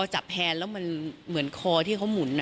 จับแฮนแล้วมันเหมือนคอที่เขาหมุน